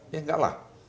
ya enggak lah